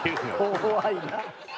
怖いな。